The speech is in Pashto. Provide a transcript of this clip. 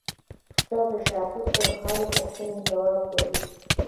استاد د شاګرد د هرې پوښتنې ځواب لري.